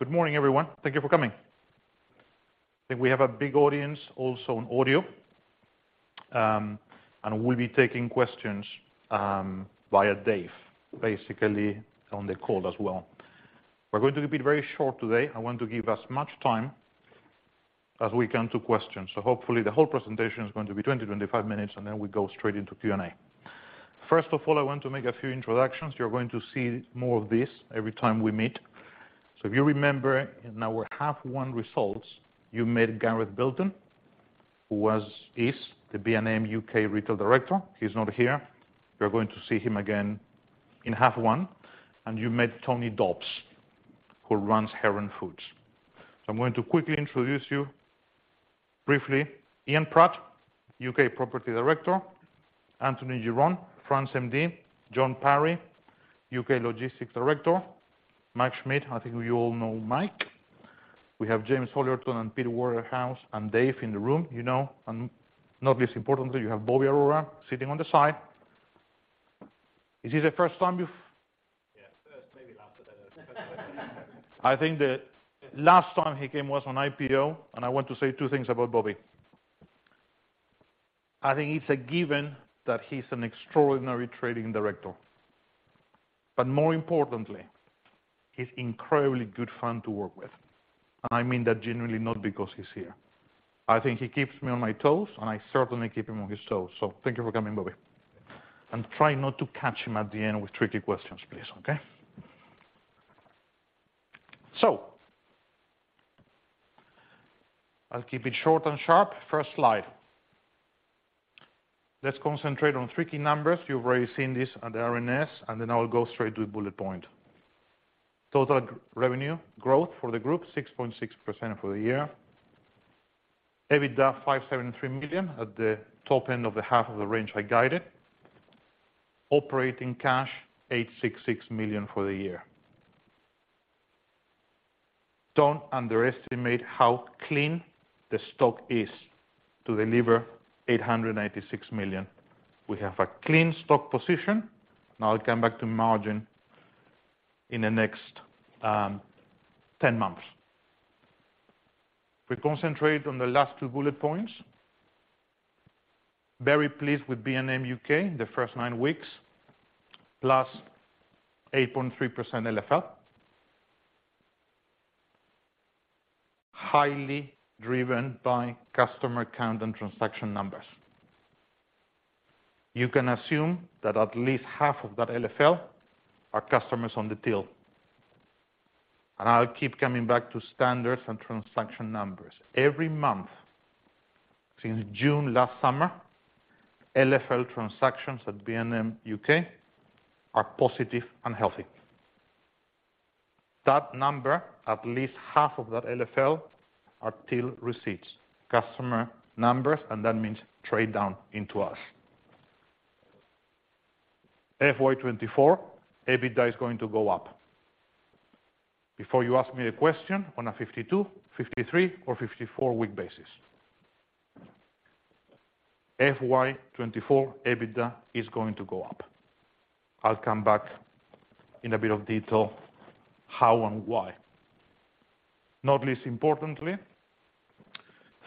Good morning, everyone. Thank you for coming. I think we have a big audience, also on audio, and we'll be taking questions via Dave, basically on the call as well. We're going to be very short today. I want to give as much time as we can to questions. Hopefully, the whole presentation is going to be 20-25 minutes, then we go straight into Q&A. First of all, I want to make a few introductions. You're going to see more of this every time we meet. If you remember in our half one results, you met Gareth Bilton, who is the B&M UK Retail Director. He's not here. You're going to see him again in half one. You met Tony Dobbs, who runs Heron Foods. I'm going to quickly introduce you briefly. Ian Pratt, UK Property Director, Anthony Giron, B&M France MD, Jon Parry, UK Logistics Director. Mike Schmidt, I think you all know Mike. We have James Ollerton and Peter Waterhouse and Dave in the room, you know. Not least importantly, you have Bobby Arora sitting on the side. Is this the first time you've Yeah, first, maybe last. I think the last time he came was on IPO. I want to say two things about Bobby. I think it's a given that he's an extraordinary trading director, but more importantly, he's incredibly good fun to work with. I mean that genuinely, not because he's here. I think he keeps me on my toes, and I certainly keep him on his toes. Thank you for coming, Bobby. Try not to catch him at the end with tricky questions, please, okay? I'll keep it short and sharp. First slide. Let's concentrate on three key numbers. You've already seen this at the RNS. Then I will go straight to the bullet point. Total revenue growth for the group, 6.6% for the year. EBITDA, 573 million, at the top end of the half of the range I guided. Operating cash, 866 million for the year. Don't underestimate how clean the stock is to deliver 896 million. We have a clean stock position. I'll come back to margin in the next 10 months. We concentrate on the last two bullet points. Very pleased with B&M UK, the first nine weeks, +8.3% LFL. Highly driven by customer count and transaction numbers. You can assume that at least half of that LFL are customers on the till. I'll keep coming back to standards and transaction numbers. Every month since June last summer, LFL transactions at B&M UK are positive and healthy. That number, at least half of that LFL, are till receipts, customer numbers, and that means trade down into us. FY 2024, EBITDA is going to go up. Before you ask me a question on a 52, 53 or 54 week basis, FY 2024 EBITDA is going to go up. I'll come back in a bit of detail how and why. Not least importantly,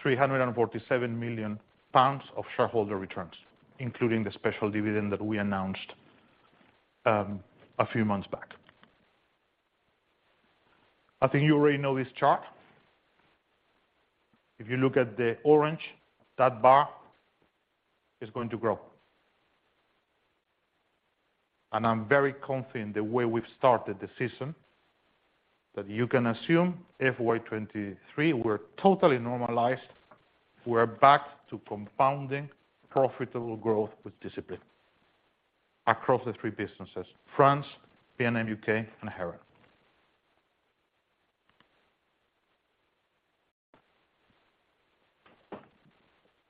347 million pounds of shareholder returns, including the special dividend that we announced a few months back. I think you already know this chart. If you look at the orange, that bar is going to grow. I'm very confident the way we've started the season, that you can assume FY 2023, we're totally normalized. We're back to compounding profitable growth with discipline across the three businesses, B&M France, B&M UK, and Heron.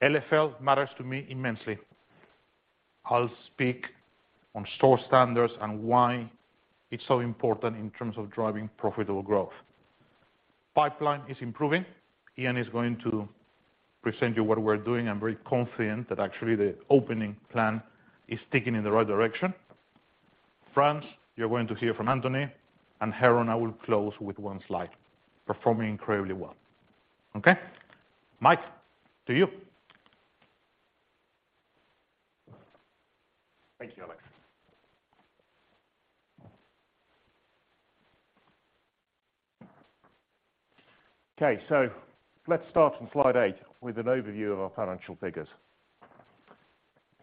LFL matters to me immensely. I'll speak on store standards and why it's so important in terms of driving profitable growth. Pipeline is improving. Ian is going to present you what we're doing. I'm very confident that actually the opening plan is ticking in the right direction. France, you're going to hear from Anthony, and Heron, I will close with one slide, performing incredibly well. Okay? Mike, to you. Thank you, Alex. Okay, let's start on slide eight with an overview of our financial figures.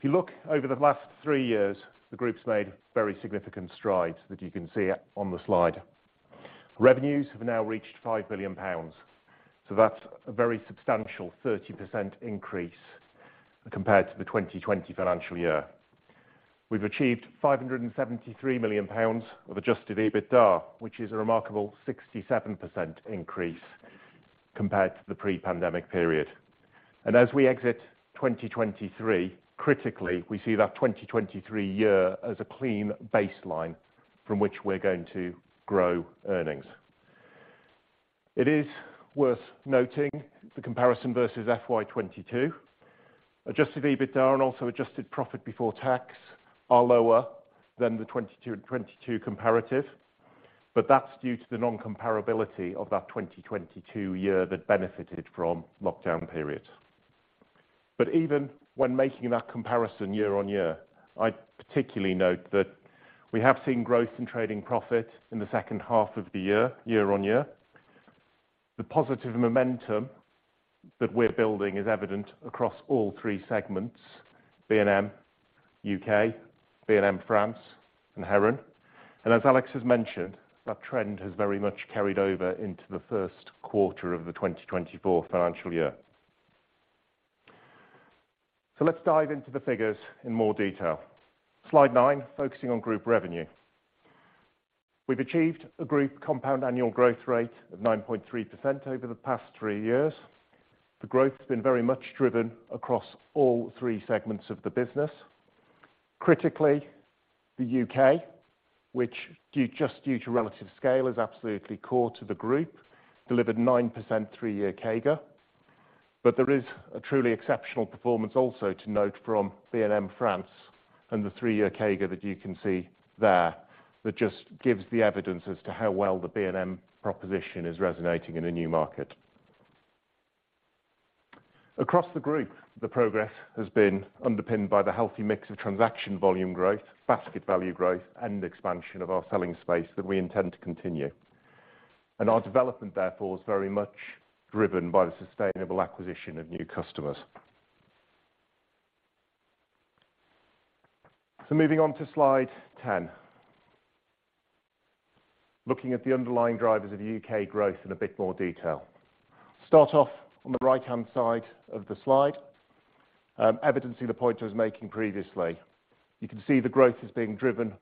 If you look over the last three years, the group's made very significant strides that you can see on the slide. Revenues have now reached 5 billion pounds, so that's a very substantial 30% increase compared to the 2020 financial year. We've achieved 573 million pounds of Adjusted EBITDA, which is a remarkable 67% increase compared to the pre-pandemic period. As we exit 2023, critically, we see that 2023 year as a clean baseline from which we're going to grow earnings. It is worth noting the comparison versus FY 2022. Adjusted EBITDA and also adjusted profit before tax are lower than the 2022 comparative, but that's due to the non-comparability of that 2022 year that benefited from lockdown period. Even when making that comparison year on year, I'd particularly note that we have seen growth in trading profit in the second half of the year on year. The positive momentum that we're building is evident across all three segments, B&M UK., B&M France, and Heron. As Alex has mentioned, that trend has very much carried over into the first quarter of the 2024 financial year. Let's dive into the figures in more detail. Slide nine, focusing on group revenue. We've achieved a group compound annual growth rate of 9.3% over the past three years. The growth has been very much driven across all three segments of the business. Critically, the UK, which just due to relative scale, is absolutely core to the group, delivered 9% three-year CAGR. There is a truly exceptional performance also to note from B&M France and the three-year CAGR that you can see there, that just gives the evidence as to how well the B&M proposition is resonating in a new market. Across the group, the progress has been underpinned by the healthy mix of transaction volume growth, basket value growth, and expansion of our selling space that we intend to continue. Our development, therefore, is very much driven by the sustainable acquisition of new customers. Moving on to slide 10. Looking at the underlying drivers of UK growth in a bit more detail. Start off on the right-hand side of the slide, evidencing the point I was making previously. You can see the growth is being driven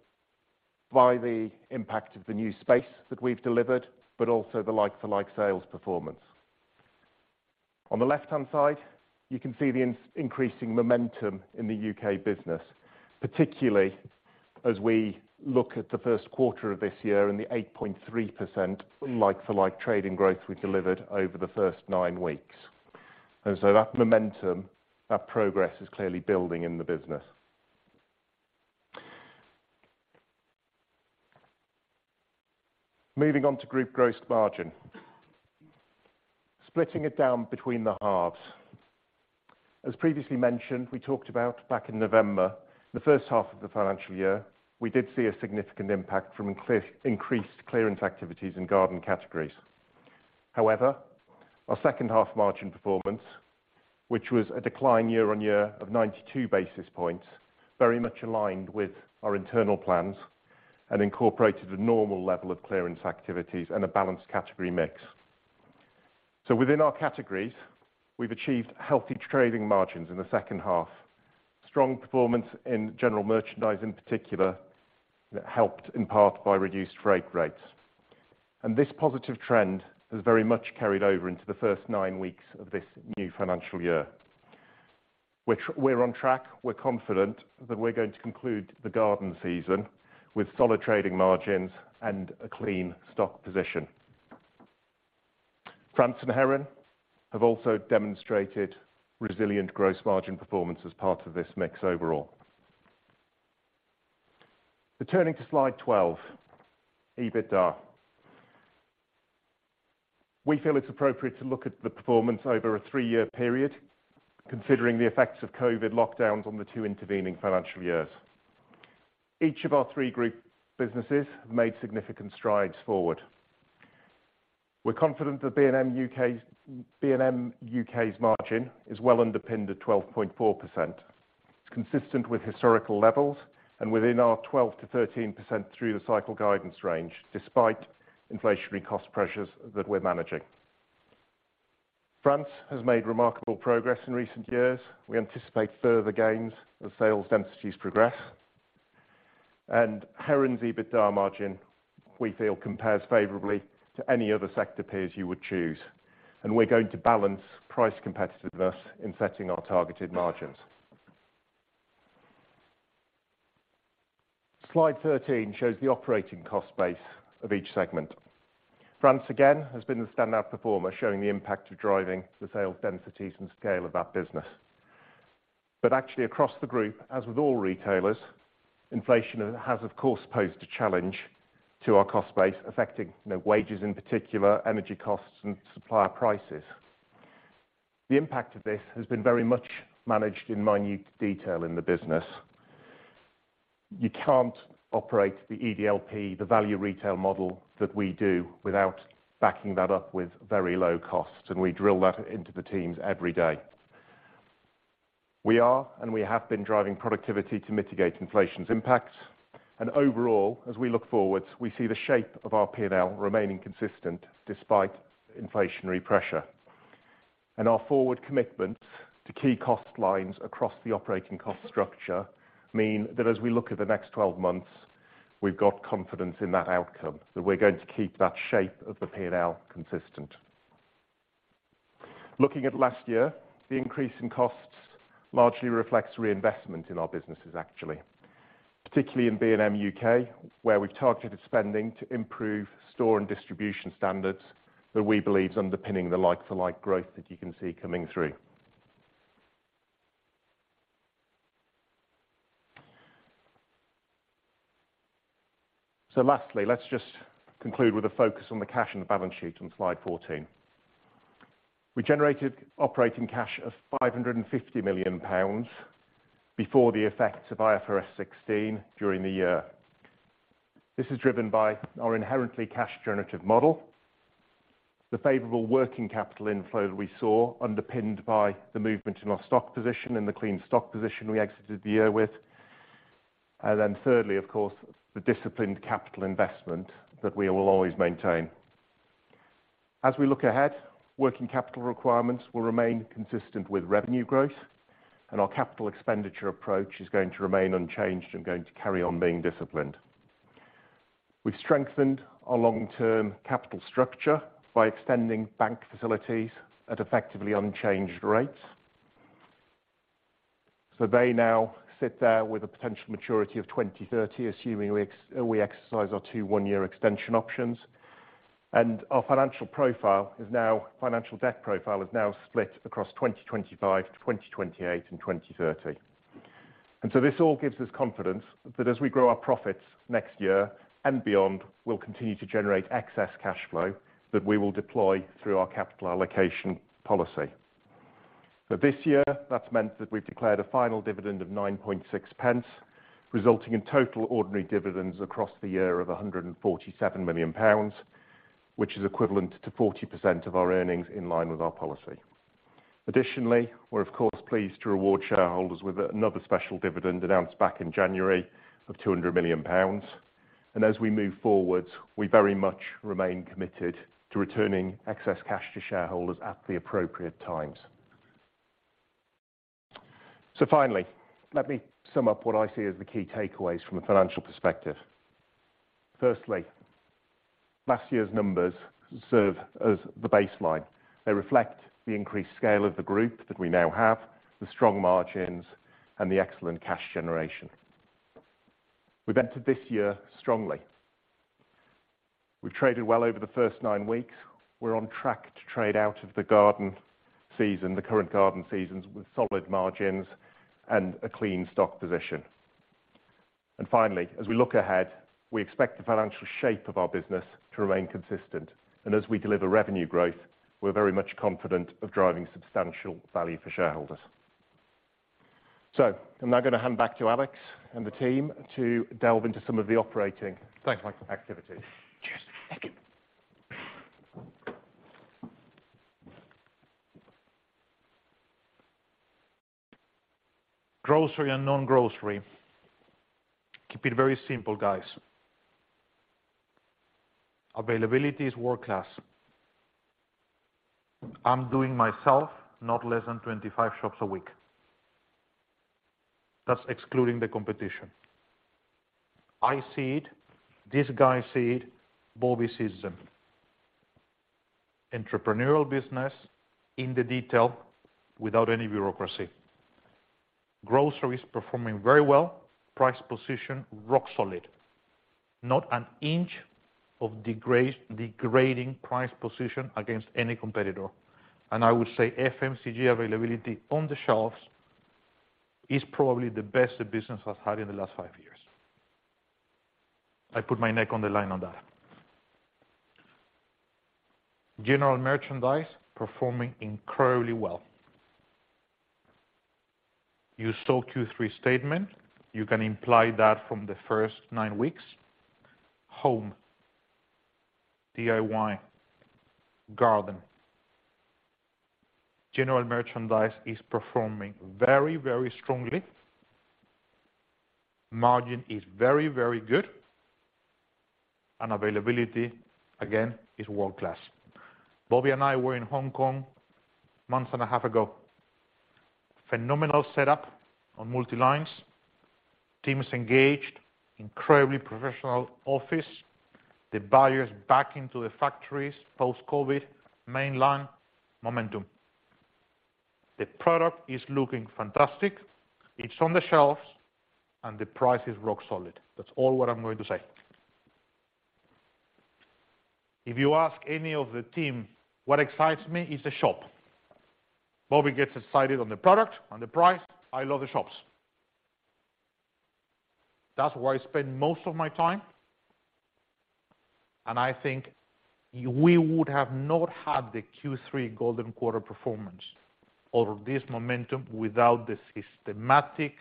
by the impact of the new space that we've delivered, but also the like-for-like sales performance. On the left-hand side, you can see the increasing momentum in the UK business, particularly as we look at the first quarter of this year and the 8.3% like-for-like trading growth we delivered over the first nine weeks. That momentum, that progress, is clearly building in the business. Moving on to group gross margin. Splitting it down between the halves. As previously mentioned, we talked about back in November, the first half of the financial year, we did see a significant impact from increased clearance activities in garden categories. However, our second half margin performance, which was a decline year-on-year of 92 basis points, very much aligned with our internal plans and incorporated a normal level of clearance activities and a balanced category mix. Within our categories, we've achieved healthy trading margins in the second half. Strong performance in general merchandise, in particular, that helped in part by reduced freight rates. This positive trend has very much carried over into the first nine weeks of this new financial year, which we're on track, we're confident that we're going to conclude the garden season with solid trading margins and a clean stock position. France and Heron have also demonstrated resilient gross margin performance as part of this mix overall. Turning to slide 12, EBITDA. We feel it's appropriate to look at the performance over a three-year period, considering the effects of COVID lockdowns on the two intervening financial years. Each of our three group businesses have made significant strides forward. We're confident that B&M UK's margin is well underpinned at 12.4%. It's consistent with historical levels and within our 12%-13% through the cycle guidance range, despite inflationary cost pressures that we're managing. France has made remarkable progress in recent years. We anticipate further gains as sales densities progress. Heron's EBITDA margin, we feel, compares favorably to any other sector peers you would choose, and we're going to balance price competitiveness in setting our targeted margins. Slide 13 shows the operating cost base of each segment. France, again, has been the standout performer, showing the impact of driving the sales densities and scale of that business. Actually across the group, as with all retailers, inflation has of course, posed a challenge to our cost base, affecting, you know, wages in particular, energy costs, and supplier prices. The impact of this has been very much managed in minute detail in the business. You can't operate the EDLP, the value retail model that we do, without backing that up with very low costs, and we drill that into the teams every day. We are, and we have been, driving productivity to mitigate inflation's impacts. Overall, as we look forwards, we see the shape of our P&L remaining consistent despite inflationary pressure. Our forward commitments to key cost lines across the operating cost structure mean that as we look at the next 12 months, we've got confidence in that outcome, that we're going to keep that shape of the P&L consistent. Looking at last year, the increase in costs largely reflects reinvestment in our businesses, actually, particularly in B&M UK, where we've targeted spending to improve store and distribution standards that we believe is underpinning the like-for-like growth that you can see coming through. Lastly, let's just conclude with a focus on the cash and the balance sheet on slide 14. We generated operating cash of 550 million pounds before the effects of IFRS 16 during the year. This is driven by our inherently cash generative model, the favorable working capital inflow that we saw underpinned by the movement in our stock position and the clean stock position we exited the year with. Thirdly, of course, the disciplined capital investment that we will always maintain. As we look ahead, working capital requirements will remain consistent with revenue growth, and our capital expenditure approach is going to remain unchanged and going to carry on being disciplined. We've strengthened our long-term capital structure by extending bank facilities at effectively unchanged rates. They now sit there with a potential maturity of 2030, assuming we exercise our two one-year extension options. Our financial debt profile is now split across 2025, 2028, and 2030. This all gives us confidence that as we grow our profits next year and beyond, we'll continue to generate excess cash flow that we will deploy through our capital allocation policy. For this year, that's meant that we've declared a final dividend of 0.096, resulting in total ordinary dividends across the year of 147 million pounds, which is equivalent to 40% of our earnings in line with our policy. Additionally, we're of course pleased to reward shareholders with another special dividend announced back in January of 200 million pounds. As we move forward, we very much remain committed to returning excess cash to shareholders at the appropriate times. Finally, let me sum up what I see as the key takeaways from a financial perspective. Firstly, last year's numbers serve as the baseline. They reflect the increased scale of the group that we now have, the strong margins, and the excellent cash generation. We've entered this year strongly. We've traded well over the first nine weeks. We're on track to trade out of the garden season, the current garden seasons, with solid margins and a clean stock position. Finally, as we look ahead, we expect the financial shape of our business to remain consistent. As we deliver revenue growth, we're very much confident of driving substantial value for shareholders. I'm now going to hand back to Alex and the team to delve into some of the operating-. Thanks, Mike. activities. Cheers. Thank you. Grocery and non-grocery. Keep it very simple, guys. Availability is world-class. I'm doing myself not less than 25 shops a week. That's excluding the competition. I see it, this guy see it, Bobby sees them. Entrepreneurial business in the detail without any bureaucracy. Grocery is performing very well. Price position, rock solid. Not an inch of degrade, degrading price position against any competitor. I would say FMCG availability on the shelves is probably the best the business has had in the last five years. I put my neck on the line on that. General merchandise performing incredibly well. You saw Q3 statement. You can imply that from the first nine weeks, home, DIY, garden, general merchandise is performing very, very strongly. Margin is very, very good, and availability, again, is world-class. Bobby and I were in Hong Kong a month and a half ago. Phenomenal setup on multi-lines, teams engaged, incredibly professional office, the buyers back into the factories, post-COVID, mainland, momentum. The product is looking fantastic. It's on the shelves, and the price is rock solid. That's all what I'm going to say. If you ask any of the team, what excites me is the shop. Bobby gets excited on the product, on the price. I love the shops. That's where I spend most of my time, and I think we would have not had the Q3 golden quarter performance or this momentum without the systematic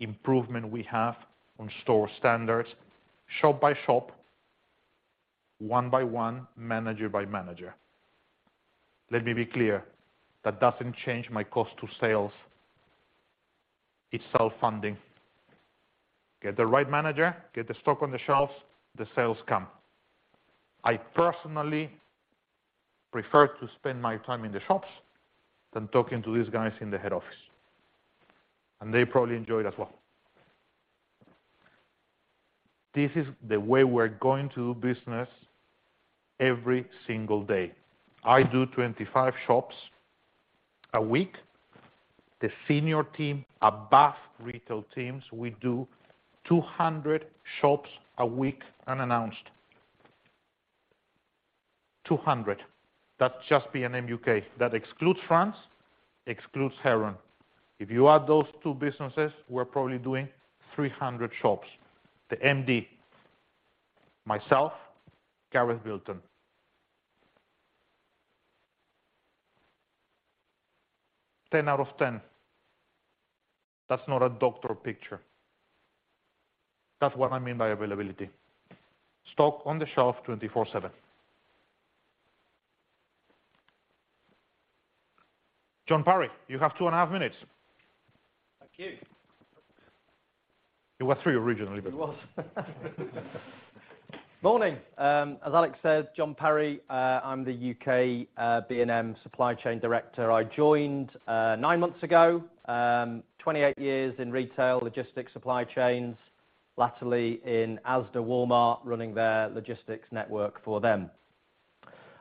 improvement we have on store standards, shop by shop, one by one, manager by manager. Let me be clear. That doesn't change my cost to sales. It's self-funding. Get the right manager, get the stock on the shelves, the sales come. I personally prefer to spend my time in the shops than talking to these guys in the head office, they probably enjoy it as well. This is the way we're going to do business every single day. I do 25 shops a week. The senior team, above retail teams, we do 200 shops a week unannounced. 200, that's just B&M UK. That excludes France, excludes Heron. If you add those two businesses, we're probably doing 300 shops. The MD, myself, Gareth Bilton. 10 out of 10. That's not a doctor picture. That's what I mean by availability. Stock on the shelf, 24/7. Jon Parry, you have 2.5 minutes. Thank you. It was three originally. It was. Morning. As Alex said, Jon Parry, I'm the UK B&M Supply Chain Director. I joined nine months ago, 28 years in retail, logistics, supply chains, latterly in Asda, Walmart, running their logistics network for them.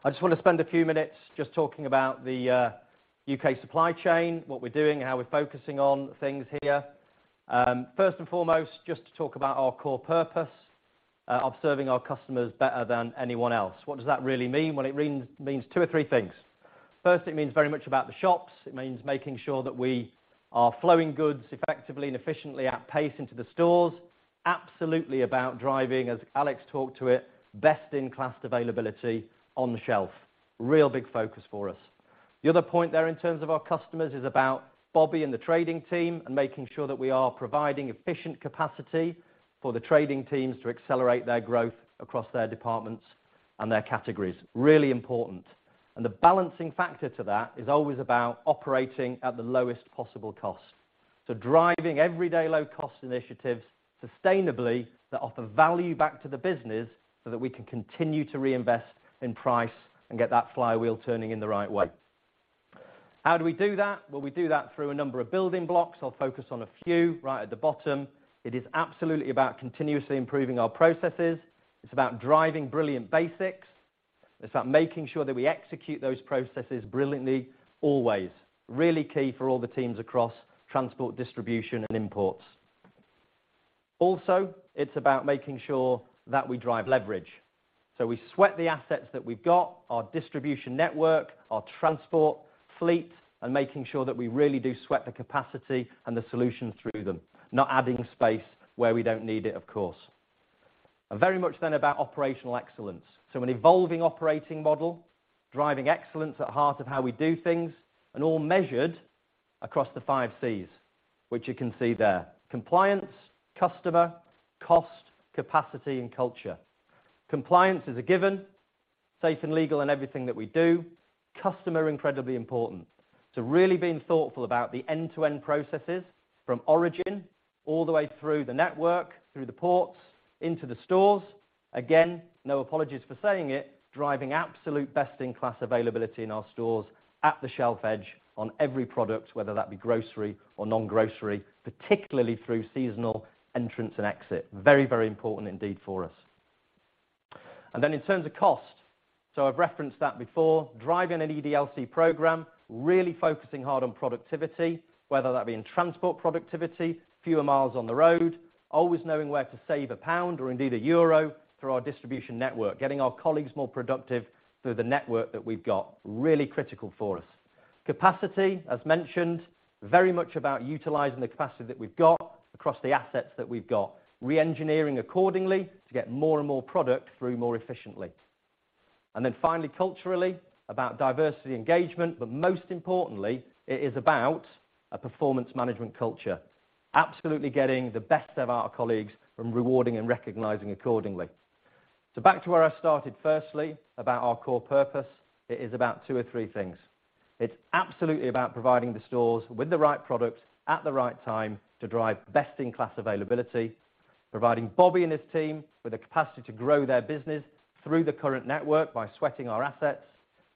I just want to spend a few minutes just talking about the UK Supply Chain, what we're doing, how we're focusing on things here. First and foremost, just to talk about our core purpose of serving our customers better than anyone else. What does that really mean? Well, it means two or three things. First, it means very much about the shops. It means making sure that we are flowing goods effectively and efficiently at pace into the stores. Absolutely about driving, as Alex talked to it, best-in-class availability on the shelf. Real big focus for us. The other point there, in terms of our customers, is about Bobby and the trading team and making sure that we are providing efficient capacity for the trading teams to accelerate their growth across their departments and their categories. Really important. The balancing factor to that is always about operating at the lowest possible cost. Driving everyday low-cost initiatives sustainably, that offer value back to the business, so that we can continue to reinvest in price and get that flywheel turning in the right way. How do we do that? We do that through a number of building blocks. I'll focus on a few right at the bottom. It is absolutely about continuously improving our processes. It's about driving brilliant basics. It's about making sure that we execute those processes brilliantly, always. Really key for all the teams across transport, distribution, and imports. It's about making sure that we drive leverage, so we sweat the assets that we've got, our distribution network, our transport fleets, and making sure that we really do sweat the capacity and the solutions through them, not adding space where we don't need it, of course. Very much then about operational excellence, so an evolving operating model, driving excellence at heart of how we do things, and all measured across the five Cs, which you can see there: compliance, customer, cost, capacity, and culture. Compliance is a given, safe and legal in everything that we do. Customer, incredibly important. Really being thoughtful about the end-to-end processes from origin all the way through the network, through the ports, into the stores. Again, no apologies for saying it, driving absolute best-in-class availability in our stores at the shelf edge on every product, whether that be grocery or non-grocery, particularly through seasonal entrance and exit. Very, very important indeed for us. In terms of cost, I've referenced that before, driving an EDLC program, really focusing hard on productivity, whether that be in transport productivity, fewer miles on the road, always knowing where to save a pound or indeed a euro through our distribution network, getting our colleagues more productive through the network that we've got. Really critical for us. Capacity, as mentioned, very much about utilizing the capacity that we've got across the assets that we've got, reengineering accordingly to get more and more product through more efficiently. Finally, culturally, about diversity engagement, but most importantly, it is about a performance management culture. Absolutely getting the best of our colleagues from rewarding and recognizing accordingly. Back to where I started, firstly, about our core purpose, it is about two or three things. It's absolutely about providing the stores with the right products at the right time to drive best-in-class availability, providing Bobby and his team with the capacity to grow their business through the current network by sweating our assets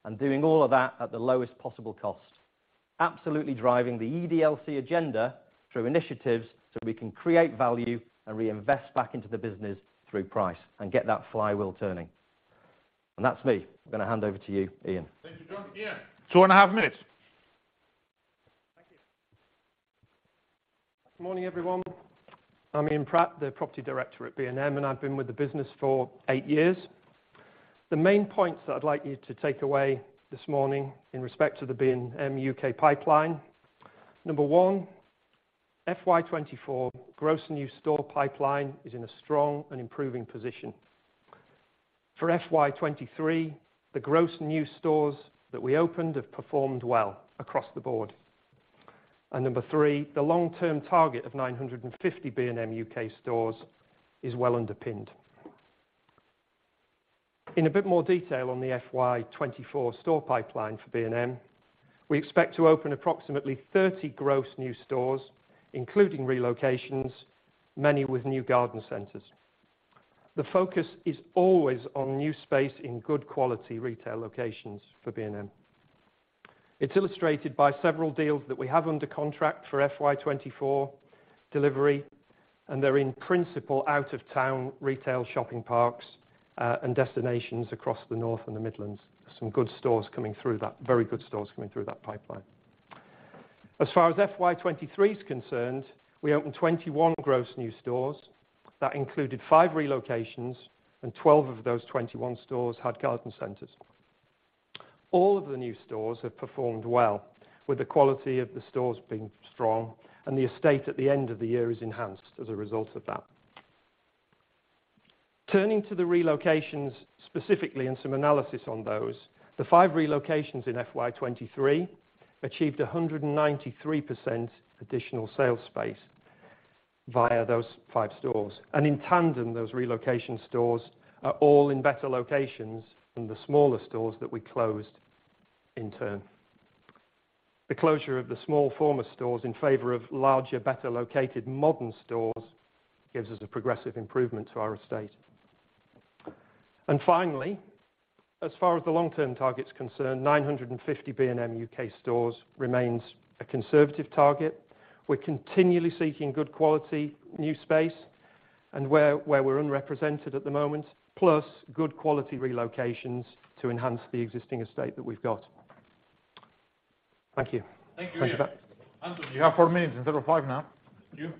and doing all of that at the lowest possible cost. Absolutely driving the EDLC agenda through initiatives, so we can create value and reinvest back into the business through price and get that flywheel turning. That's me. I'm going to hand over to you, Ian. Thank you, Jon. Ian, two and a half minutes. Thank you. Good morning, everyone. I'm Ian Pratt, the Property Director at B&M. I've been with the business for eight years. The main points that I'd like you to take away this morning in respect to the B&M UK pipeline, number one, FY 2024 gross new store pipeline is in a strong and improving position. For FY 2023, the gross new stores that we opened have performed well across the board. Number three, the long-term target of 950 B&M UK stores is well underpinned. In a bit more detail on the FY 2024 store pipeline for B&M, we expect to open approximately 30 gross new stores, including relocations, many with new garden centers. The focus is always on new space in good quality retail locations for B&M. It's illustrated by several deals that we have under contract for FY 2024 delivery, and they're in principle, out of town retail shopping parks, and destinations across the North and the Midlands. Some good stores coming through that, very good stores coming through that pipeline. As far as FY 2023 is concerned, we opened 21 gross new stores. That included five relocations, and 12 of those 21 stores had garden centers. All of the new stores have performed well, with the quality of the stores being strong, and the estate at the end of the year is enhanced as a result of that. Turning to the relocations, specifically, and some analysis on those, the five relocations in FY 2023 achieved 193% additional sales space via those five stores. In tandem, those relocation stores are all in better locations than the smaller stores that we closed in turn. The closure of the small former stores in favor of larger, better located modern stores, gives us a progressive improvement to our estate. Finally, as far as the long-term target is concerned, 950 B&M UK stores remains a conservative target. We're continually seeking good quality, new space and where we're unrepresented at the moment, plus good quality relocations to enhance the existing estate that we've got. Thank you. Thank you. You have four minutes instead of five now. Thank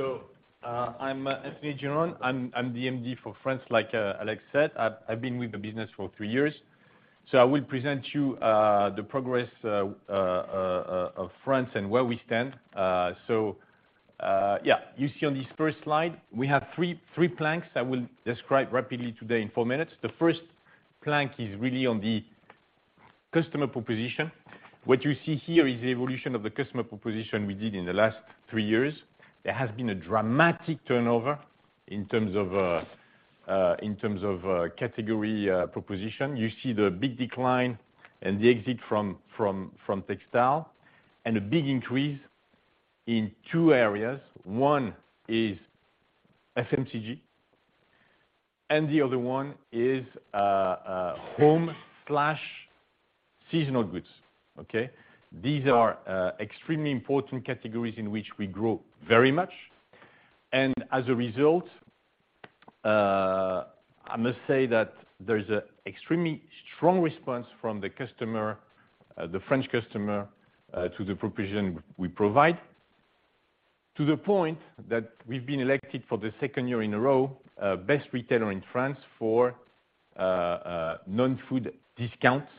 you. I'm Anthony Giron. I'm the MD for France, like Alex said. I've been with the business for three years. I will present you the progress of France and where we stand. You see on this first slide, we have three planks I will describe rapidly today in four minutes. The first plank is really on the customer proposition. What you see here is the evolution of the customer proposition we did in the last three years. There has been a dramatic turnover in terms of in terms of category proposition. You see the big decline and the exit from textile, and a big increase in two areas. One is FMCG, and the other one is home/seasonal goods, okay? These are extremely important categories in which we grow very much. I must say that there's a extremely strong response from the customer, the French customer, to the proposition we provide, to the point that we've been elected for the second year in a row, best retailer in France for non-food discounts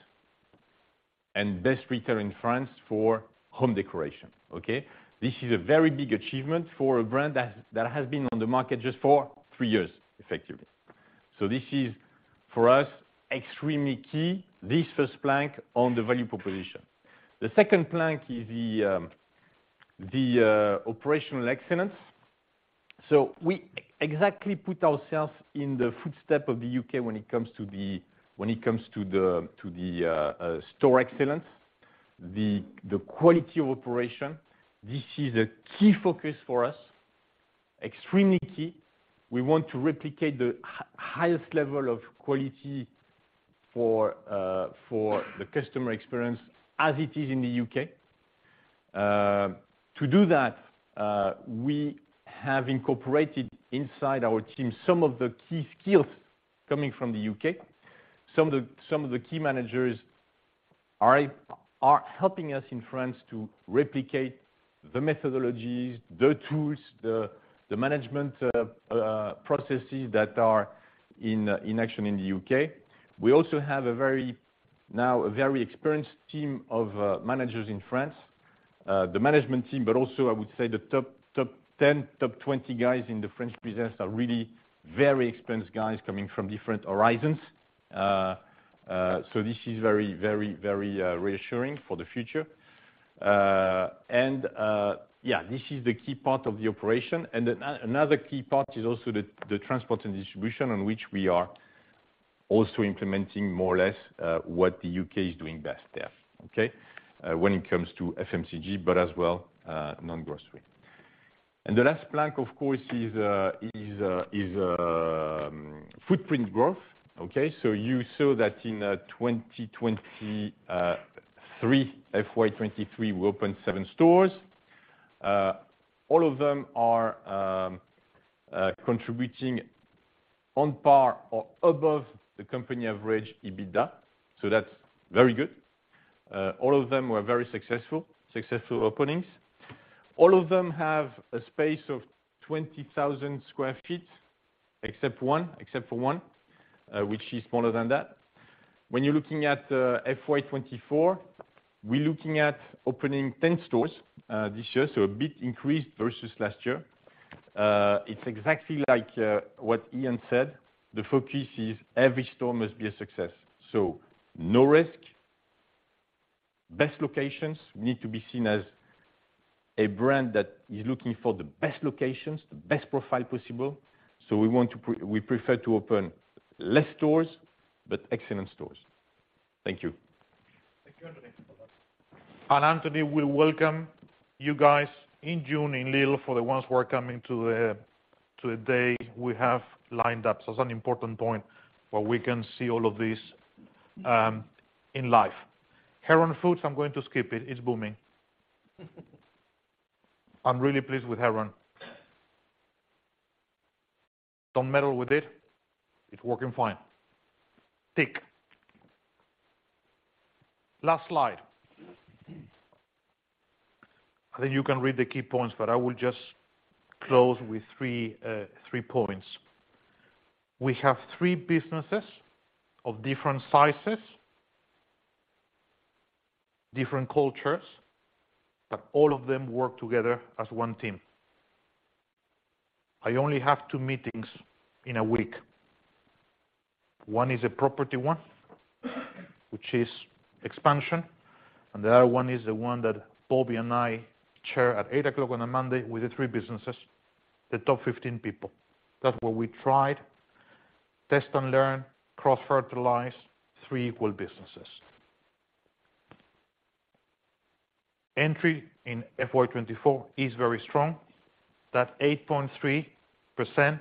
and best retailer in France for home decoration. This is a very big achievement for a brand that has been on the market just for three years, effectively. This is, for us, extremely key, this first plank on the value proposition. The second plank is the operational excellence. We exactly put ourselves in the footstep of the UK when it comes to the store excellence, the quality of operation. This is a key focus for us, extremely key. We want to replicate the highest level of quality for the customer experience as it is in the UK. To do that, we have incorporated inside our team some of the key skills coming from the UK. Some of the key managers are helping us in France to replicate the methodologies, the tools, the management processes that are in action in the UK. We also have a very, now a very experienced team of managers in France. The management team, but also I would say the top 10, top 20 guys in the French business are really very experienced guys coming from different horizons. This is very, very, very reassuring for the future. Yeah, this is the key part of the operation. Another key part is also the transport and distribution, on which we are also implementing more or less what the UK is doing best there, okay? When it comes to FMCG, but as well non-grocery. The last plank, of course, is footprint growth, okay? You saw that in 2023, FY 2023, we opened seven stores. All of them are contributing on par or above the company average EBITDA, so that's very good. All of them were very successful openings. All of them have a space of 20,000 sq ft, except one, except for one, which is smaller than that. When you're looking at FY 2024, we're looking at opening 10 stores this year, a big increase versus last year. It's exactly like what Ian said, the focus is every store must be a success. No risk, best locations, we need to be seen as a brand that is looking for the best locations, the best profile possible. We prefer to open less stores, but excellent stores. Thank you. Thank you, Anthony. Anthony, we welcome you guys in June, in Lille, for the ones who are coming to the day, we have lined up. It's an important point, where we can see all of this in life. Heron Foods, I'm going to skip it. It's booming. I'm really pleased with Heron. Don't meddle with it. It's working fine. Tick. Last slide. I think you can read the key points, I will just close with three points. We have three businesses of different sizes, different cultures, all of them work together as one team. I only have two meetings in a week. One is a property one, which is expansion, and the other one is the one that Bobby and I chair at 8:00 A.M. on a Monday with the three businesses, the top 15 people. That's where we tried, test and learn, cross-fertilize three equal businesses. Entry in FY 2024 is very strong. That 8.3%,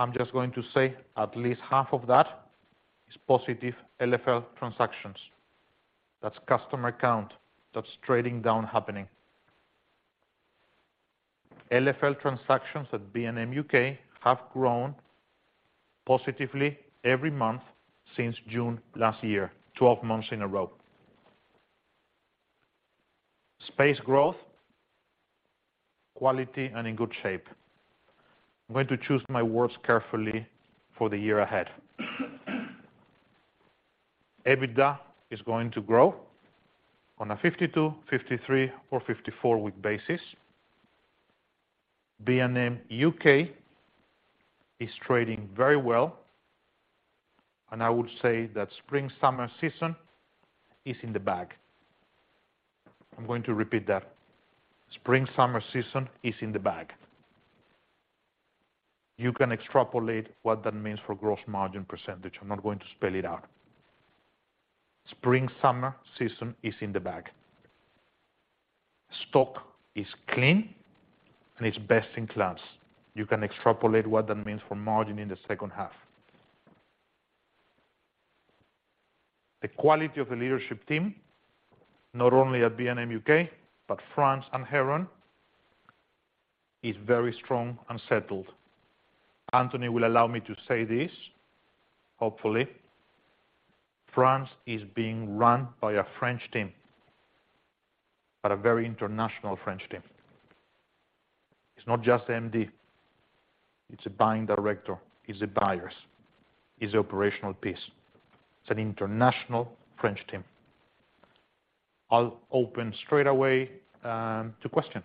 I'm just going to say at least half of that is positive LFL transactions. That's customer count. That's trading down happening. LFL transactions at B&M UK have grown positively every month since June last year, 12 months in a row. Space growth, quality, and in good shape. I'm going to choose my words carefully for the year ahead. EBITDA is going to grow on a 52, 53 or 54-week basis. B&M UK is trading very well, and I would say that spring/summer season is in the bag. I'm going to repeat that. Spring/summer season is in the bag. You can extrapolate what that means for gross margin %. I'm not going to spell it out. Spring/summer season is in the bag. Stock is clean, and it's best in class. You can extrapolate what that means for margin in the second half. The quality of the leadership team, not only at B&M UK, but B&M France and Heron, is very strong and settled. Anthony will allow me to say this, hopefully. B&M France is being run by a French team, but a very international French team. It's not just the MD, it's a buying director, it's the buyers, it's the operational piece. It's an international French team. I'll open straight away to questions.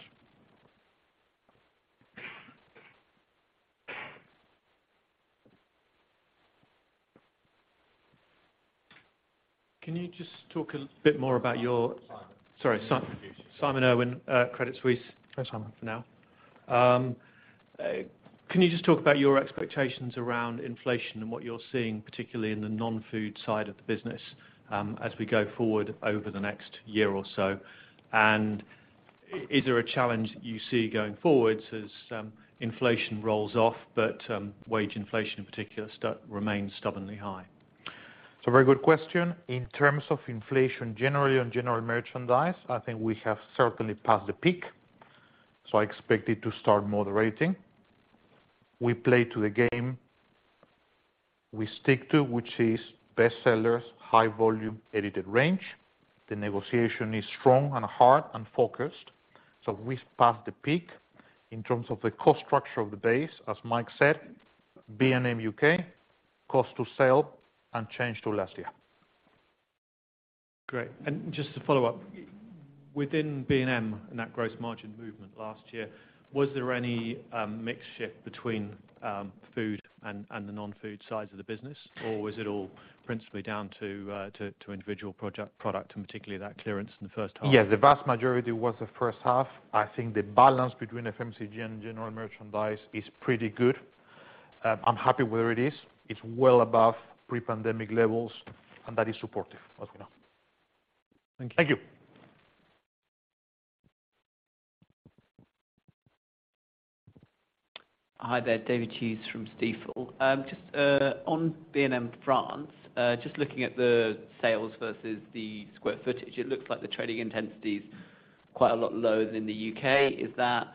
Can you just talk a bit more about your- Simon. Sorry, Simon Irwin, Credit Suisse. Hi, Simon. For now. Can you just talk about your expectations around inflation and what you're seeing, particularly in the non-food side of the business, as we go forward over the next year or so? Is there a challenge you see going forward as inflation rolls off, but wage inflation, in particular, remains stubbornly high? It's a very good question. In terms of inflation, generally, on general merchandise, I think we have certainly passed the peak, so I expect it to start moderating. We play to the game, we stick to, which is bestsellers, high volume, edited range. The negotiation is strong and hard and focused, so we've passed the peak. In terms of the cost structure of the base, as Mike said, B&M UK, cost to sale unchanged to last year. Great. Just to follow up, within B&M and that gross margin movement last year, was there any mix shift between food and the non-food sides of the business? Was it all principally down to individual product, and particularly that clearance in the first half? Yes, the vast majority was the first half. I think the balance between FMCG and general merchandise is pretty good. I'm happy where it is. It's well above pre-pandemic levels. That is supportive, as we know. Thank you. Thank you. Hi there, David Jeary from Stifel. just on B&M France, just looking at the sales versus the square footage, it looks like the trading intensity is quite a lot lower than the UK. Is that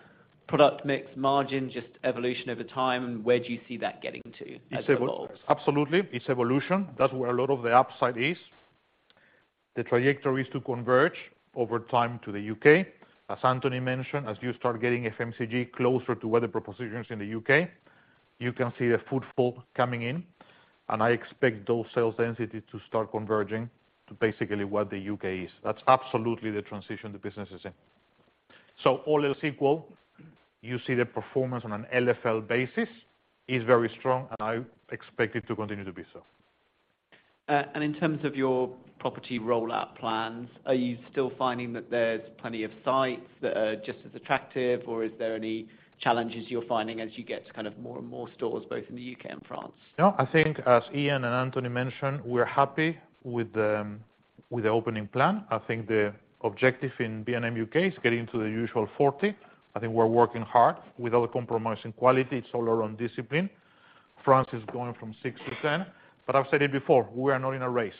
product mix, margin, just evolution over time, and where do you see that getting to as it evolves? Absolutely. It's evolution. That's where a lot of the upside is. The trajectory is to converge over time to the UK. As Anthony mentioned, as you start getting FMCG closer to where the proposition is in the UK, you can see the footfall coming in, and I expect those sales density to start converging to basically what the UK is. That's absolutely the transition the business is in. All else equal, you see the performance on an LFL basis is very strong, and I expect it to continue to be so. In terms of your property rollout plans, are you still finding that there's plenty of sites that are just as attractive, or is there any challenges you're finding as you get to kind of more and more stores, both in the UK and France? No, I think as Ian and Anthony mentioned, we're happy with the opening plan. I think the objective in B&M UK is getting to the usual 40. I think we're working hard without compromising quality. It's all around discipline. France is going from six to 10, but I've said it before, we are not in a race.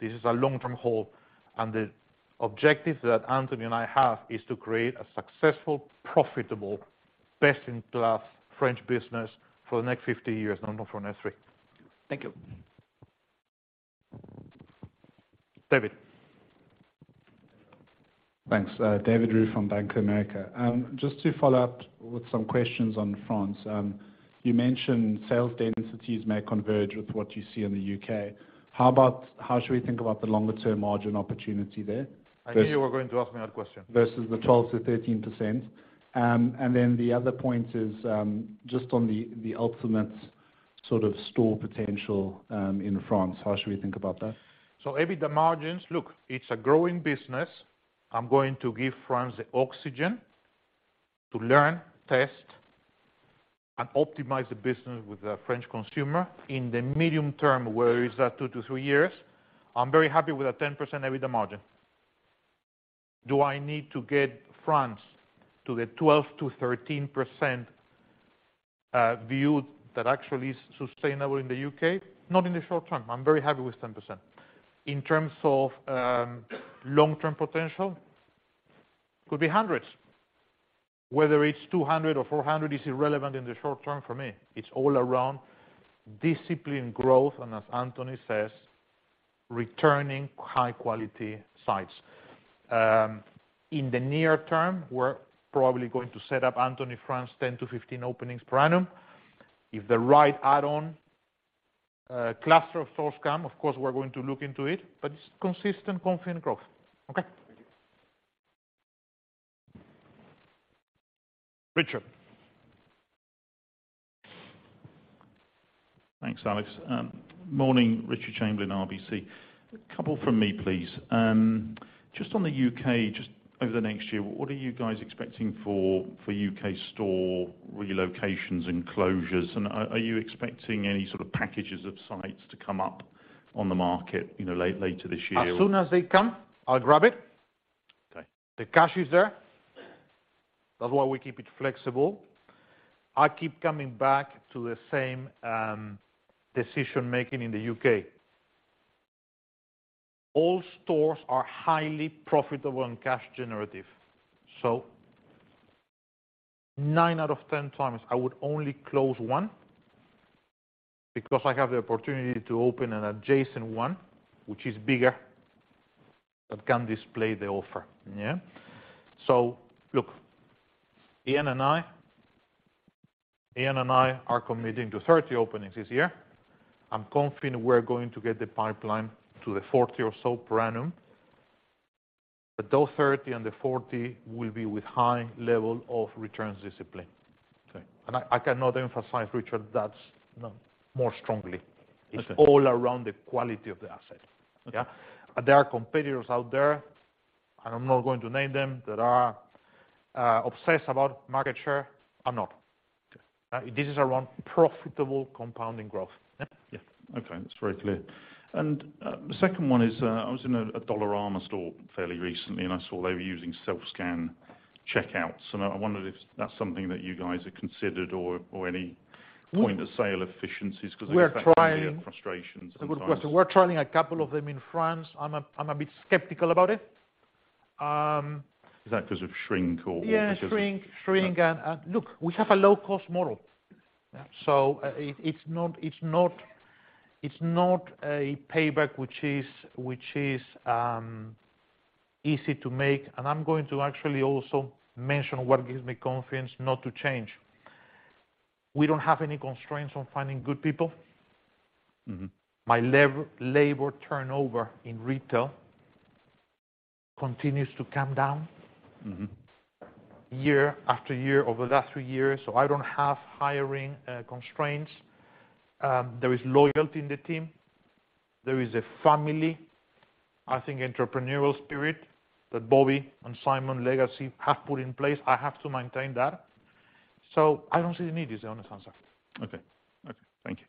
This is a long-term haul, and the objective that Anthony and I have is to create a successful, profitable, best-in-class French business for the next 50 years, not for the next three. Thank you. David? Thanks. David Ruiz from Bank of America. Just to follow up with some questions on France. You mentioned sales densities may converge with what you see in the UK. How should we think about the longer-term margin opportunity there? I knew you were going to ask me that question. Versus the 12%-13%. The other point is, just on the ultimate sort of store potential in France. How should we think about that? EBITDA margins, look, it's a growing business. I'm going to give France the oxygen to learn, test, and optimize the business with the French consumer. In the medium term, where is that two to three years, I'm very happy with a 10% EBITDA margin. Do I need to get France to the 12%-13% view that actually is sustainable in the UK? Not in the short term. I'm very happy with 10%. In terms of long-term potential, could be hundreds. Whether it's 200 or 400 is irrelevant in the short term for me. It's all around disciplined growth, and as Anthony says, returning high quality sites. In the near term, we're probably going to set up Anthony Giron, 10-15 openings per annum. If the right add-on, cluster of stores come, of course, we're going to look into it, but it's consistent, confident growth. Okay? Thank you. Richard. Thanks, Alex. Morning, Richard Chamberlain, RBC. A couple from me, please. Just on the UK, just over the next year, what are you guys expecting for UK store relocations and closures? Are you expecting any sort of packages of sites to come up on the market, you know, later this year? As soon as they come, I'll grab it. Okay. The cash is there. That's why we keep it flexible. I keep coming to the same decision-making in the UK. All stores are highly profitable and cash generative. nine out of 10 times, I would only close one because I have the opportunity to open an adjacent one, which is bigger, that can display the offer. Yeah? Look, Ian and I are committing to 30 openings this year. I'm confident we're going to get the pipeline to the 40 or so per annum. Those 30 and the 40 will be with high level of returns discipline. Okay. I cannot emphasize, Richard, that's more strongly. Okay. It's all around the quality of the asset. Okay. Yeah. There are competitors out there, and I'm not going to name them, that are obsessed about market share. I'm not. Okay. This is around profitable compounding growth. Yeah? Yeah. Okay, that's very clear. The second one is, I was in a Dollarama store fairly recently, I saw they were using self-scan checkouts, I wondered if that's something that you guys had considered or any point-of-sale efficiencies- We're trying- I can see the frustrations sometimes. We're trying a couple of them in France. I'm a, I'm a bit skeptical about it. Is that because of shrink or? Yeah, shrink and. Look, we have a low-cost model. Yeah. It's not a payback which is easy to make, and I'm going to actually also mention what gives me confidence not to change. We don't have any constraints on finding good people. Mm-hmm. My labor turnover in retail continues to come down. Mm-hmm year after year, over the last three years, I don't have hiring constraints. There is loyalty in the team. There is a family, I think, entrepreneurial spirit that Bobby and Simon Arora have put in place. I have to maintain that. I don't see the need. It's the honest answer. Okay. Okay, thank you.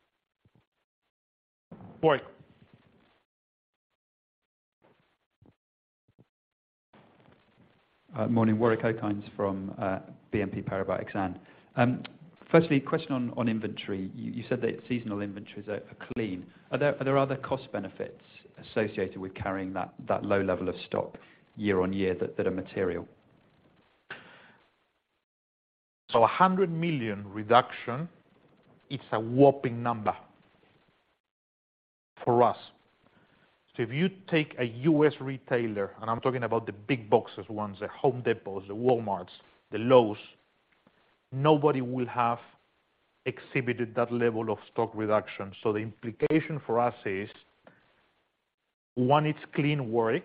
Warwick. Morning, Warwick Okines from BNP Paribas Exane. Firstly, question on inventory. You said that seasonal inventories are clean. Are there other cost benefits associated with carrying that low level of stock year on year that are material? A 100 million reduction, it's a whopping number for us. If you take a U.S. retailer, and I'm talking about the big boxes ones, the Home Depot, the Walmart, the Lowe's, nobody will have exhibited that level of stock reduction. The implication for us is, one, it's clean work,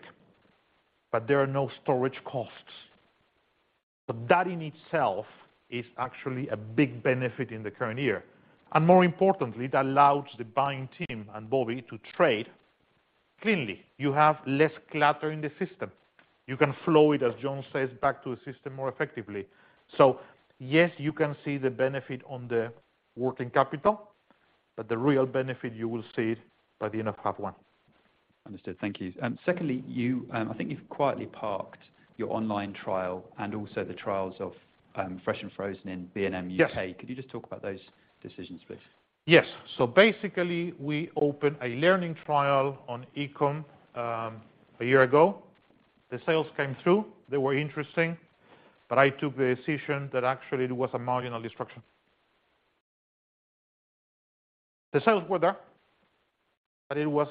but there are no storage costs. That in itself is actually a big benefit in the current year, and more importantly, it allows the buying team and Bobby to trade cleanly. You have less clutter in the system. You can flow it, as John says, back to the system more effectively. Yes, you can see the benefit on the working capital, but the real benefit you will see it by the end of half one. Understood. Thank you. Secondly, you, I think you've quietly parked your online trial and also the trials of, fresh and frozen in B&M UK. Yes. Could you just talk about those decisions, please? Yes. Basically, we opened a learning trial on e-com a year ago. The sales came through, they were interesting. I took the decision that actually it was a marginal disruption. The sales were there. It was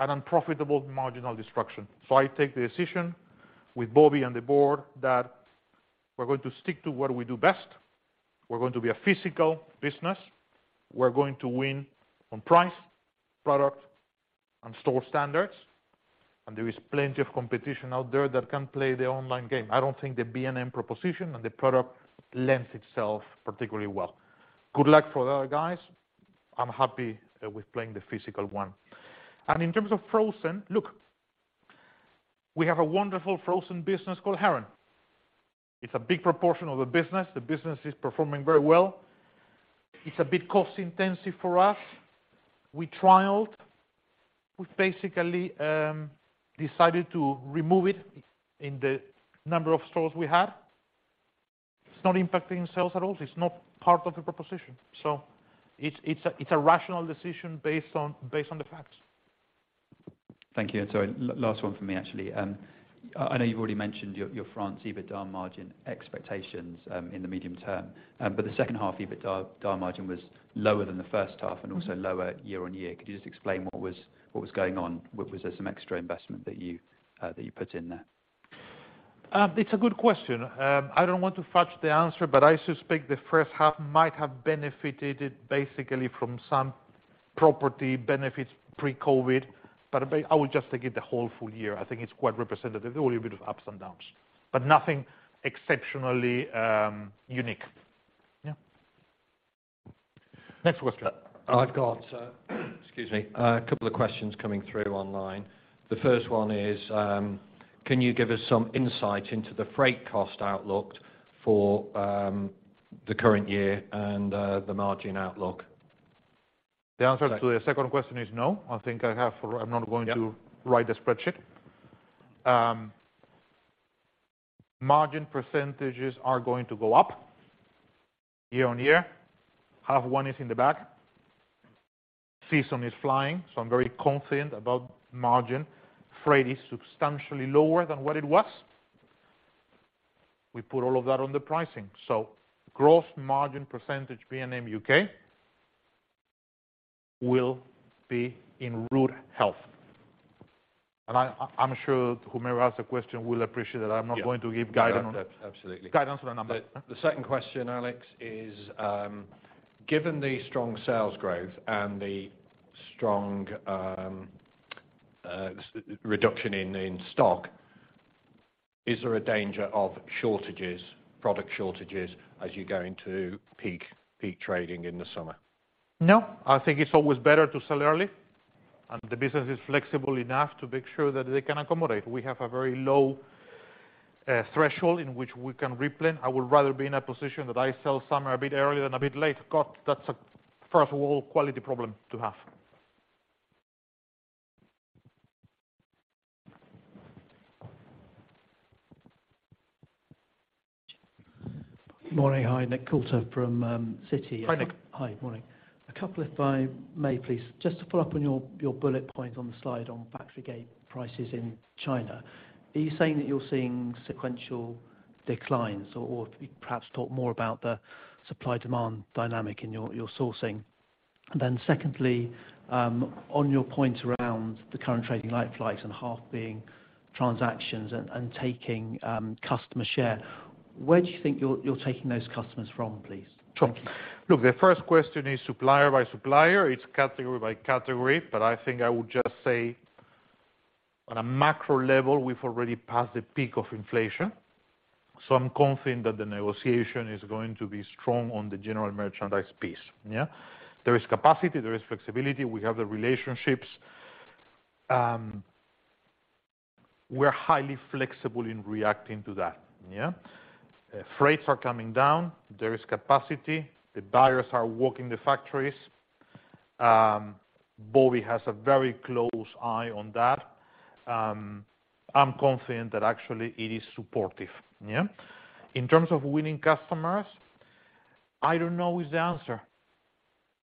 an unprofitable marginal disruption. I take the decision with Bobby and the board that we're going to stick to what we do best. We're going to be a physical business. We're going to win on price, product, and store standards. There is plenty of competition out there that can play the online game. I don't think the B&M proposition and the product lends itself particularly well. Good luck for the other guys. I'm happy with playing the physical one. In terms of frozen, look, we have a wonderful frozen business called Heron. It's a big proportion of the business. The business is performing very well. It's a bit cost-intensive for us. We trialed. We basically decided to remove it in the number of stores we had. It's not impacting sales at all. It's not part of the proposition. It's a rational decision based on the facts. Thank you. Sorry, last one for me, actually. I know you've already mentioned your France EBITDA margin expectations in the medium term, the second half EBITDA margin was lower than the first half and also lower year-on-year. Could you just explain what was going on? Was there some extra investment that you that you put in there? It's a good question. I don't want to fudge the answer, but I suspect the first half might have benefited basically from some property benefits pre-COVID, but I would just take it the whole full year. I think it's quite representative. Only a bit of ups and downs, but nothing exceptionally unique. Yeah. Next question. I've got, excuse me, a couple of questions coming through online. The first one is, can you give us some insight into the freight cost outlook for the current year and the margin outlook? The answer to the second question is no. I think I have. Yeah. I'm not going to write the spreadsheet. Margin % are going to go up year-over-year. Half one is in the back. Season is flying, so I'm very confident about margin. Freight is substantially lower than what it was. We put all of that on the pricing. Gross margin % B&M UK will be in rude health. I'm sure whomever asked the question will appreciate that I'm not-. Yeah going to give guidance on Absolutely guidance on the number. The second question, Alex, is given the strong sales growth and the strong reduction in stock, is there a danger of shortages, product shortages, as you go into peak trading in the summer? No. I think it's always better to sell early. The business is flexible enough to make sure that they can accommodate. We have a very low threshold in which we can replenish. I would rather be in a position that I sell summer a bit earlier than a bit late. God, that's a first world quality problem to have. Morning. Hi, Nick Coulter from Citi. Hi, Nick. Hi, morning. A couple, if I may, please. Just to follow up on your bullet point on the slide on factory gate prices in China, are you saying that you're seeing sequential declines, or if you perhaps talk more about the supply-demand dynamic in your sourcing? Secondly, on your point around the current trading light flights and half being transactions and taking customer share, where do you think you're taking those customers from, please? Sure. Thank you. The first question is supplier by supplier. It's category by category, but I think I would just say on a macro level, we've already passed the peak of inflation. I'm confident that the negotiation is going to be strong on the general merchandise piece. Yeah. There is capacity, there is flexibility, we have the relationships. We're highly flexible in reacting to that. Yeah? Freights are coming down. There is capacity. The buyers are working the factories. Bobby has a very close eye on that. I'm confident that actually it is supportive. Yeah? In terms of winning customers, I don't know is the answer.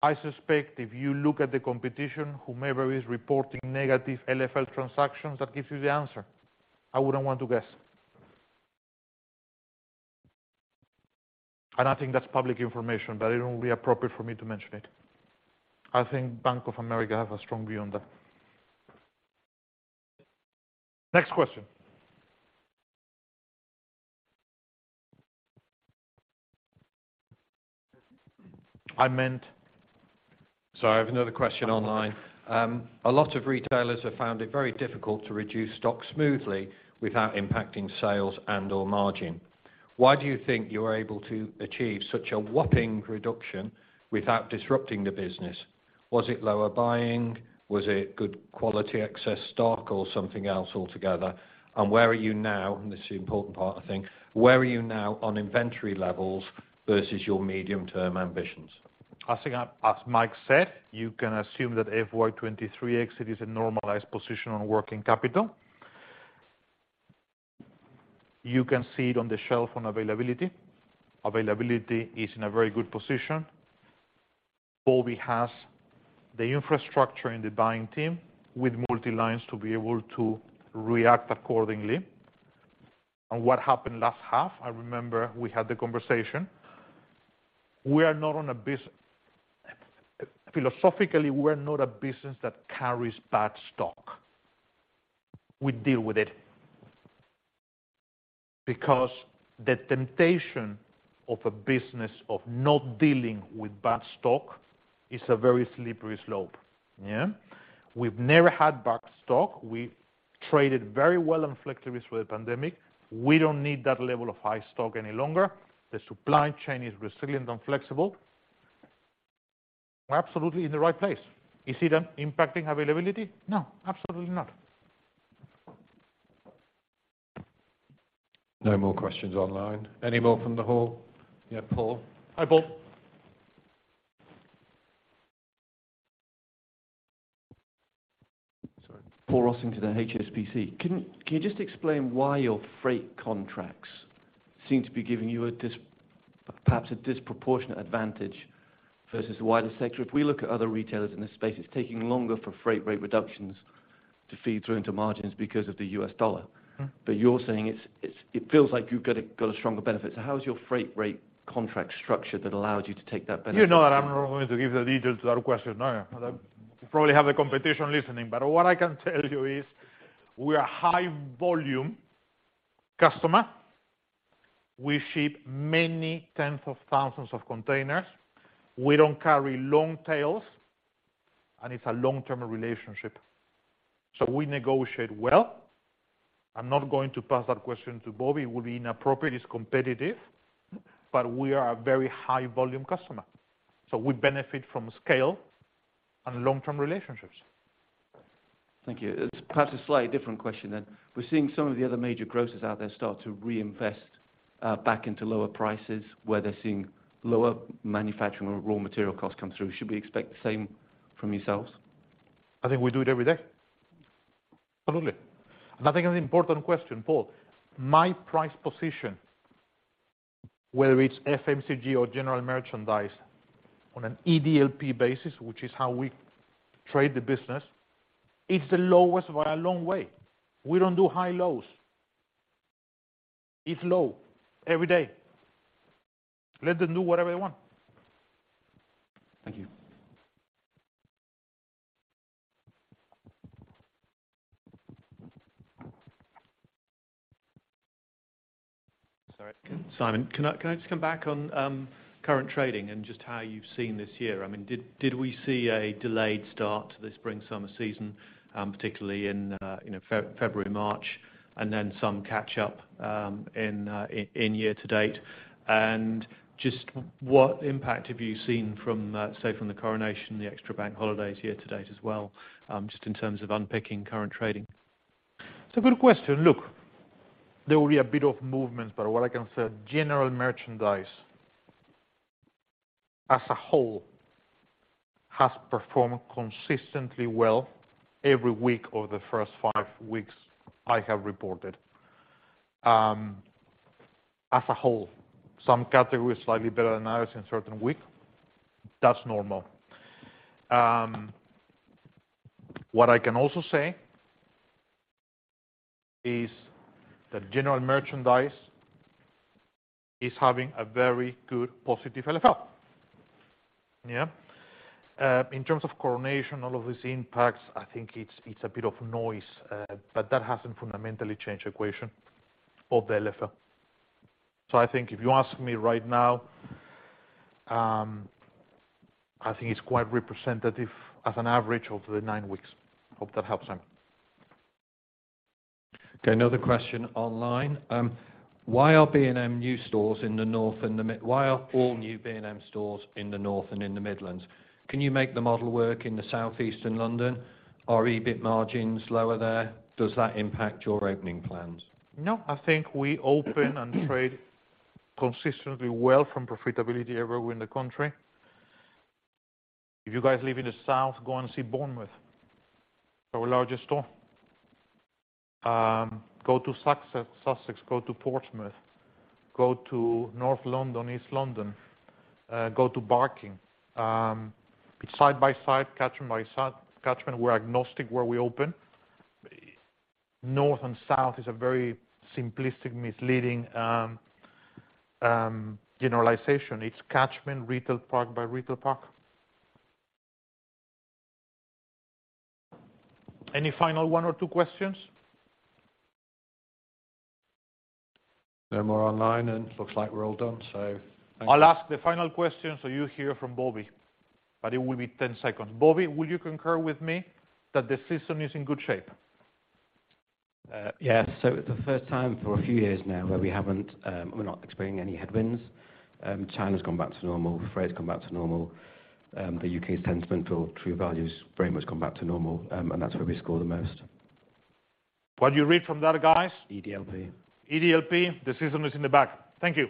I suspect if you look at the competition, whomever is reporting negative LFL transactions, that gives you the answer. I wouldn't want to guess. I think that's public information, but it wouldn't be appropriate for me to mention it. I think Bank of America have a strong view on that. Next question. Sorry, I have another question online. Okay. A lot of retailers have found it very difficult to reduce stock smoothly without impacting sales and/or margin. Why do you think you're able to achieve such a whopping reduction without disrupting the business? Was it lower buying? Was it good quality excess stock or something else altogether? Where are you now, and this is the important part, I think, where are you now on inventory levels versus your medium-term ambitions? I think, as Mike said, you can assume that FY 2023 exit is a normalized position on working capital. You can see it on the shelf on availability. Availability is in a very good position. Bobby has the infrastructure and the buying team with multi-lines to be able to react accordingly. What happened last half, I remember we had the conversation. We are not philosophically, we're not a business that carries bad stock. We deal with it, because the temptation of a business of not dealing with bad stock is a very slippery slope. Yeah? We've never had bad stock. We traded very well and flexibly through the pandemic. We don't need that level of high stock any longer. The supply chain is resilient and flexible. We're absolutely in the right place. Is it impacting availability? No, absolutely not. No more questions online. Any more from the hall? Yeah, Paul. Hi, Paul. Sorry. Paul Rossington, HSBC. Can you just explain why your freight contracts seem to be giving you perhaps a disproportionate advantage versus the wider sector? If we look at other retailers in this space, it's taking longer for freight rate reductions to feed through into margins because of the US dollar. Mm-hmm. You're saying it feels like you've got a stronger benefit. How is your freight rate contract structured that allows you to take that benefit? You know that I'm not going to give the details to that question. I probably have the competition listening. What I can tell you is we are a high volume customer. We ship many tens of thousands of containers. We don't carry long tails, and it's a long-term relationship, so we negotiate well. I'm not going to pass that question to Bobby, it would be inappropriate, it's competitive, but we are a very high volume customer, so we benefit from scale and long-term relationships. Thank you. It's perhaps a slightly different question. We're seeing some of the other major grocers out there start to reinvest back into lower prices, where they're seeing lower manufacturing, raw material costs come through. Should we expect the same from yourselves? I think we do it every day, absolutely. I think an important question, Paul, my price position, whether it's FMCG or general merchandise, on an EDLP basis, which is how we trade the business, it's the lowest by a long way. We don't do high lows. It's low every day. Let them do whatever they want. Thank you. Sorry, Simon, can I just come back on current trading and just how you've seen this year? I mean, did we see a delayed start to the spring-summer season, particularly in February, March, and then some catch up in year to date? Just what impact have you seen from, say, from the coronation, the extra bank holidays year to date as well, just in terms of unpicking current trading? It's a good question. Look, there will be a bit of movement, but what I can say, general merchandise, as a whole, has performed consistently well every week over the first five weeks I have reported, as a whole. Some categories are slightly better than others in certain weeks. That's normal. What I can also say is that general merchandise is having a very good, positive LFL. Yeah. In terms of coronation, all of these impacts, I think it's a bit of noise, but that hasn't fundamentally changed the equation or the LFL. I think if you ask me right now, I think it's quite representative as an average over the nine weeks. Hope that helps, Simon. Okay, another question online. Why are all new B&M stores in the North and in the Midlands? Can you make the model work in the Southeast and London? Are EBIT margins lower there? Does that impact your opening plans? No. I think we open and trade consistently well from profitability everywhere in the country. If you guys live in the south, go and see Bournemouth, our largest store. Go to Sussex, go to Portsmouth, go to North London, East London, go to Barking. It's side by side, catchment by side, catchment. We're agnostic where we open. North and South is a very simplistic, misleading generalization. It's catchment, retail park by retail park. Any final one or two questions? No more online, and it looks like we're all done, so thank you. I'll ask the final question, so you hear from Bobby, but it will be 10 seconds. Bobby, will you concur with me that the system is in good shape? Yes. It's the first time for a few years now where we haven't, we're not experiencing any headwinds. China's gone back to normal. Freight's come back to normal. The UK's sentiment or true value's very much come back to normal, and that's where we score the most. What do you read from that, guys? EDLP. EDLP, the system is in the back. Thank you.